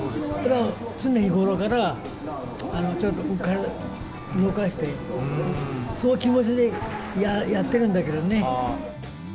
常日頃から、ちょっと体動かして、そういう気持ちでやってるんだけどね。